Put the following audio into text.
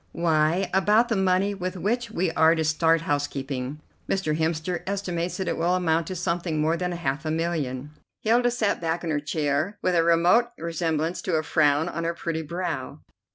"Why, about the money with which we are to start housekeeping. Mr. Hemster estimates that it will amount to something more than half a million." Hilda sat back in her chair with a remote resemblance to a frown on her pretty brow.